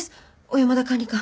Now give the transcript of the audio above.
小山田管理官。